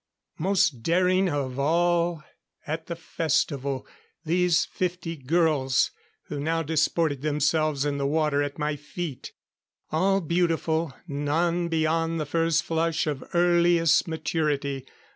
Most daring of all at the festival, these fifty girls who now disported themselves in the water at my feet. All beautiful, none beyond the first flush of earliest maturity.